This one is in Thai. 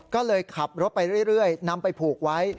ก็เลยขับรถไปเรื่อยนำไปผูกไว้